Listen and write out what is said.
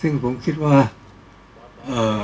ก็ต้องทำอย่างที่บอกว่าช่องคุณวิชากำลังทำอยู่นั่นนะครับ